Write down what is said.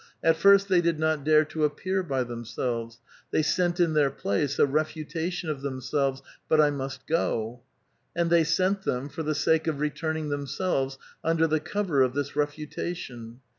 At first they did not dare to appear b}' themselves ; they sent in their place a refutation of themselves, " But I must go." And they sent them for the sake of returning themselves, under the cover of this refutation.